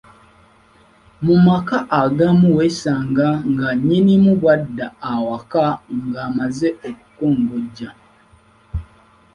Mu maka agamu weesanga nga nnyinimu bwadda awaka ng'amaze okukongojja